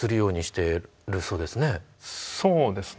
そうですね。